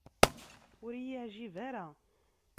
Ur iyi-yeɛǧib ara.